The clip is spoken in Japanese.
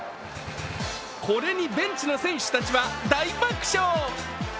これにベンチの選手たちは大爆笑。